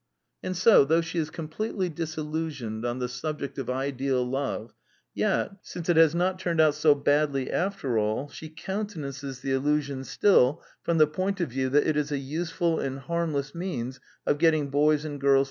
And so, though she is completely dis illusioned on the subject of ideal love, yet, since it has not turned out so badly after all, she countenances the illusion still from the point of view that it is a useful and harmless means of getting boys and girls to marry and settle down.